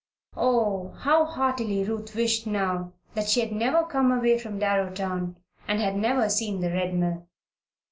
Oh, how heartily Ruth wished now that she had never come away from Darrowtown and had never seen the Red Mill.